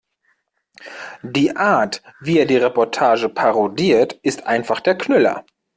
Die Art, wie er die Reportage parodiert, ist einfach der Knüller!